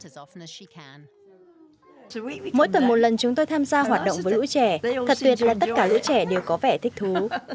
mỗi tuần một lần chúng tôi tham gia hoạt động với lũ trẻ thật tuyệt là tất cả lũ trẻ đều có vẻ thích thú